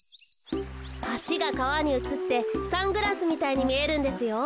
はしがかわにうつってサングラスみたいにみえるんですよ。